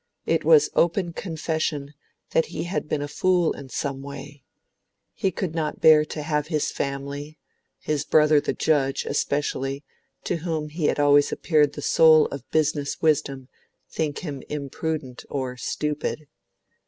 It was open confession that he had been a fool in some way; he could not bear to have his family his brother the judge, especially, to whom he had always appeared the soul of business wisdom think him imprudent or stupid.